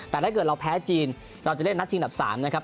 แต่ถ้าเกิดเราแพ้จีนเราจะเล่นนัดชิงดับ๓นะครับ